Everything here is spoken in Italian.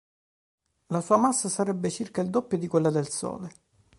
La sua massa sarebbe circa il doppio di quella del Sole.